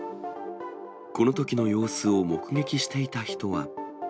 このときの様子を目撃していた人は。